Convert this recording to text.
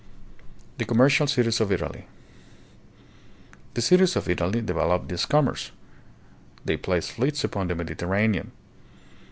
The Commercial Cities of Italy. The cities of Italy de veloped this commerce. They placed fleets upon the Medi terranean.